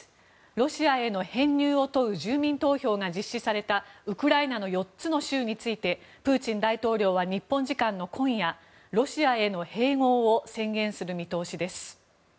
ロシアへの編入を問う住民投票が実施されたウクライナの４つの州についてプーチン大統領は日本時間の今夜ロシアへの併合を宣言する見通しです。